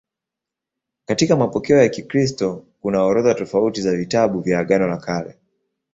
Katika mapokeo ya Kikristo kuna orodha tofauti za vitabu vya Agano la Kale.